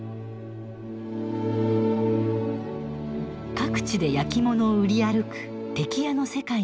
各地で焼き物を売り歩くテキヤの世界も調査。